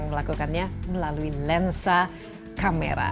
melakukannya melalui lensa kamera